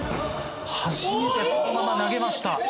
初めてそのまま投げました。